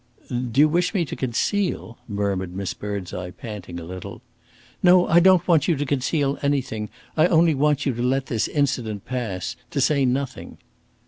"Do you wish me to conceal ?" murmured Miss Birdseye, panting a little. "No, I don't want you to conceal anything. I only want you to let this incident pass to say nothing."